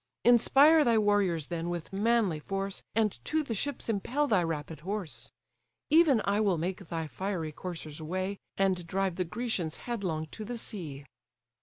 Inspire thy warriors then with manly force, And to the ships impel thy rapid horse: Even I will make thy fiery coursers way, And drive the Grecians headlong to the sea."